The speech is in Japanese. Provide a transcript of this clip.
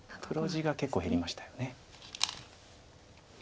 黒地が結構減りましたよね。